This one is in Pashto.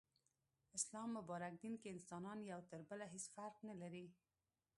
اسلام مبارک دين کي انسانان يو تر بله هيڅ فرق نلري